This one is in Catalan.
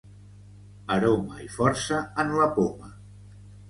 Aroma i força en la poma!